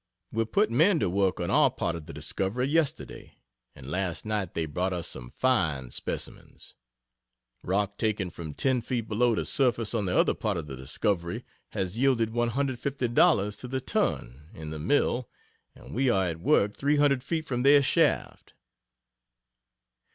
We put men to work on our part of the discovery yesterday, and last night they brought us some fine specimens. Rock taken from ten feet below the surface on the other part of the discovery, has yielded $150.00 to the ton in the mill and we are at work 300 feet from their shaft.